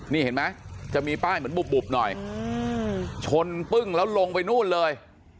นี่เห็นไหมจะมีป้ายเหมือนบุบหน่อยชนปึ้งแล้วลงไปนู่นเลย